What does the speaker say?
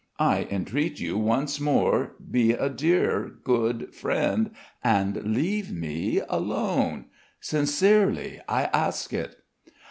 I entreat you once more, be a dear, good friend and leave me alone. Sincerely, I ask it."